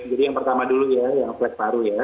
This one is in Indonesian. jadi yang pertama dulu ya yang flag paru ya